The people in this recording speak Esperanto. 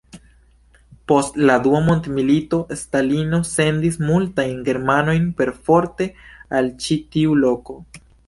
Post la Dua Mondmilito, Stalino sendis multajn germanojn perforte al ĉi tiu loko.